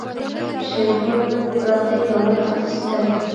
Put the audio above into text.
شېرګل ګړندي ګامونه اخيستل.